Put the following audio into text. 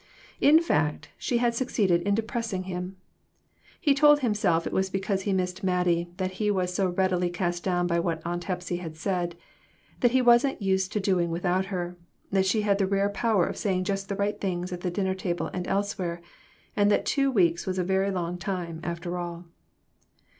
In fact, she had succeeded in depressing him. He told himself it was because he missed Mattie that he was so readily cast down by what Aunt Hepsy had said ; that he wasn't used to doing without her; that she had the rare power of saying just the right things at the dinner table and elsewhere, and that two weeks was a very long time, after all.